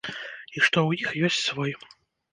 І што ў іх ёсць свой.